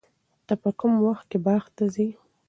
ته په کوم وخت کې باغ ته ځې؟